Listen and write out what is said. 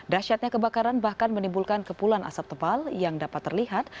dasyatnya kebakaran bahkan menimbulkan kepulan asap tebal yang dapat terlihat